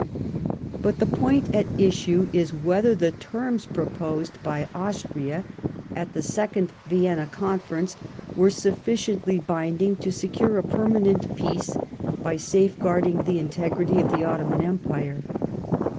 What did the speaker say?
\/ But the point at issue is whether the terms proposed by Austria at the second Vienna Conference were suf ^oiently binding to secure a permanent peace by safe guarding the integrity of the Ottoman Empire.